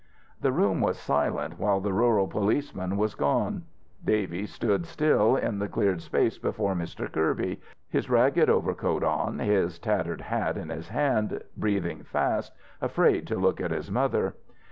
The room was silent while the rural policeman was gone. Davy still stood in the cleared space before Mr. Kirby, his ragged overcoat on, his tattered hat in his hand, breathing fast, afraid to look at his mother.